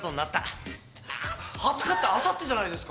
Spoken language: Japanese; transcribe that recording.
２０日ってあさってじゃないですか。